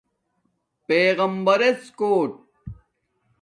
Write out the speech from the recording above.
پیغمبرژ کݸٹ